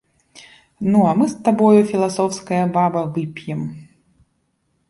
Ну, а мы з табою, філасофская баба, вып'ем!